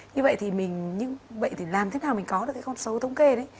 như vậy thì mình làm thế nào mình có được cái con số thống kê đấy